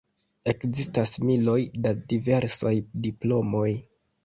Ekzistas miloj da diversaj diplomoj.